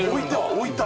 置いた！